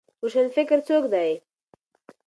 روشنفکر څوک دی؟